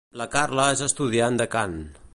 La Carla és estudiant de cant.